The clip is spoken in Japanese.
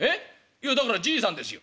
いやだからじいさんですよ」。